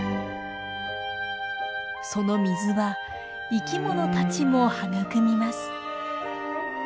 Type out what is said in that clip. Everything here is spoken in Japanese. その水は生きものたちも育みます。